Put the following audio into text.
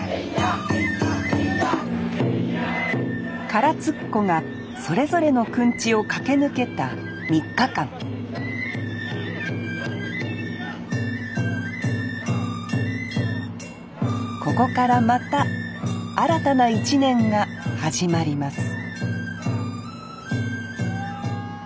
唐津っ子がそれぞれのくんちを駆け抜けた３日間ここからまた新たな１年が始まります